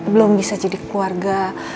belum bisa jadi keluarga